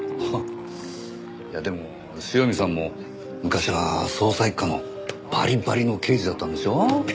いやでも塩見さんも昔は捜査一課のバリバリの刑事だったんでしょ？